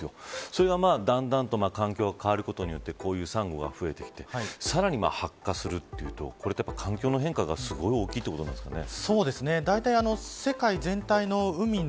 それがだんだんと、環境が変わることでこういうサンゴが増えてきてさらに、白化するというとこれって、環境の変化がすごい大きいってことですかね。